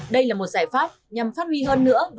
đây là một giải pháp nhằm phát huy hơn nữa